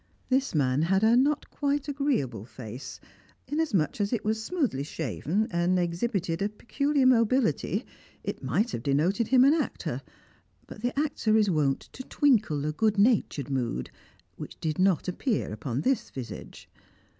This man had a not quite agreeable face; inasmuch as it was smoothly shaven, and exhibited a peculiar mobility, it might have denoted him an actor; but the actor is wont to twinkle a good natured mood which did not appear upon this visage.